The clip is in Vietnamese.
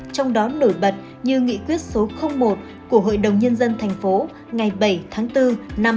trong đó nổi bật như nghị quyết số một của hội đồng nhân dân thành phố ngày bảy tháng bốn năm hai nghìn hai mươi